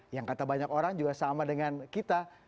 yang kata banyak orang juga sama dengan kita